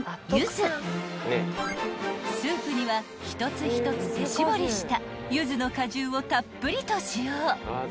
［スープには一つ一つ手搾りしたゆずの果汁をたっぷりと使用］